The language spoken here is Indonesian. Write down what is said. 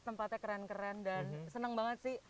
tempatnya keren keren dan senang banget sih